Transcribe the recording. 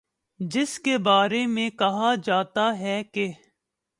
جس کے بارے میں کہا جاتا ہے کہ